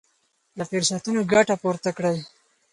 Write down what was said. له فرصتونو ګټه پورته کړئ.